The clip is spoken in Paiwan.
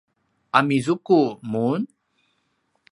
amizuku mun?